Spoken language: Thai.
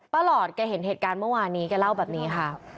หลอดแกเห็นเหตุการณ์เมื่อวานนี้แกเล่าแบบนี้ค่ะ